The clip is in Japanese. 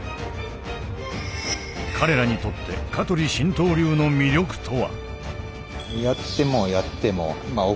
彼らにとって香取神道流の魅力とは？